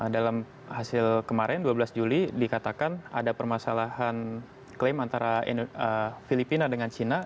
dalam hasil kemarin dua belas juli dikatakan ada permasalahan klaim antara filipina dengan cina